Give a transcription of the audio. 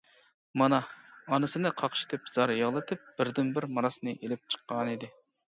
مانا، ئانىسىنى قاقشىتىپ زار يىغلىتىپ، بىردىنبىر مىراسنى ئېلىپ چىققانىدى.